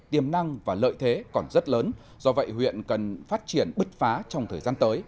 tiềm năng và lợi thế còn rất lớn do vậy huyện cần phát triển bứt phá trong thời gian tới